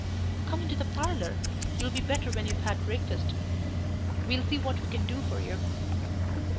"Come into the parlour. You'll be better when you've had breakfast. We'll see what we can do for you."